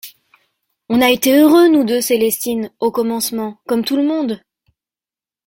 On a été heureux, nous deux Célestine, au commencement, comme tout le monde.